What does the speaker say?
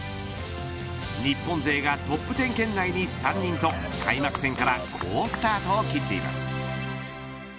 日本勢がトップ１０圏内に３人と開幕戦から好スタートを切っています。